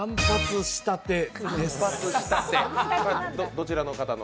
どちらの方の？